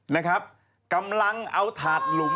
นะครับกำลังเอาถาดหลุม